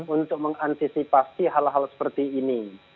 untuk mengantisipasi hal hal seperti ini